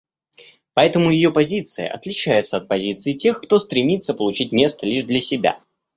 Поэтому ее позиция отличается от позиции тех, кто стремится получить место лишь для себя.